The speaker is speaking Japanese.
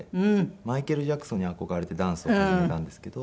マイケル・ジャクソンに憧れてダンスを始めたんですけど。